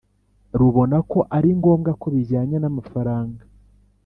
Rubona ko ari ngombwa ku bijyanye n amafaranga